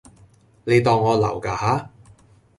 你當我流架吓